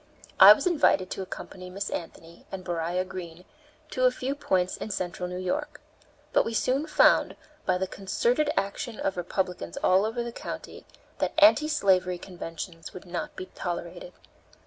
I was invited to accompany Miss Anthony and Beriah Green to a few points in Central New York. But we soon found, by the concerted action of Republicans all over the country, that anti slavery conventions would not be tolerated.